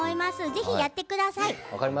ぜひやってください。